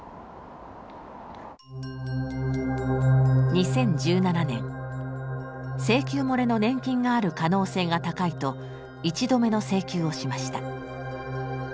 ２０１７年請求もれの年金がある可能性が高いと１度目の請求をしました。